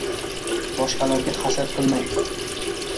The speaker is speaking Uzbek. Boshqalarga hasad qilmang.